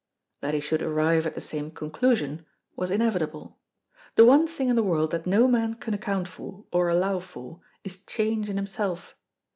That he should arrive at the same conclusion was inevitable. The one thing in the world that no man can account for, or allow for, is change in himself.